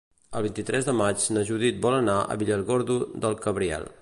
El vint-i-tres de maig na Judit vol anar a Villargordo del Cabriel.